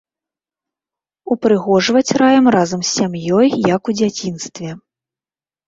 Упрыгожваць раім разам з сям'ёй, як у дзяцінстве.